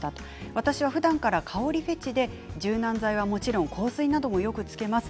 私はふだんから香りフェチで柔軟剤はもちろん香水などもよくつけます。